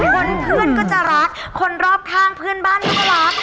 เพื่อนก็จะรักคนรอบข้างเพื่อนบ้านก็รัก